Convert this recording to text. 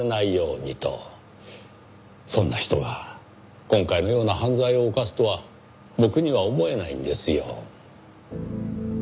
そんな人が今回のような犯罪を犯すとは僕には思えないんですよ。